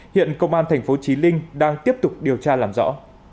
hiện công an tp chí linh đang tiếp tục điều tra làm rõ